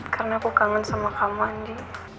karena aku kangen sama kamu andi